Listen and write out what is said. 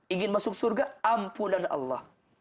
ingin masuk surga ampunan allah